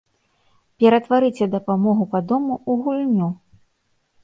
Ператварыце дапамогу па дому ў гульню.